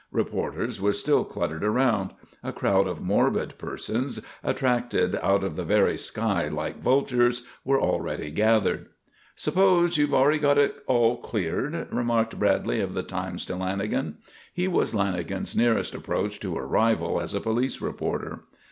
Reporters were still cluttering around. A crowd of morbid persons, attracted out of the very sky like vultures, were already gathered. "Suppose you've got it all cleared?" remarked Bradley of the Times to Lanagan. He was Lanagan's nearest approach to a rival as a police reporter.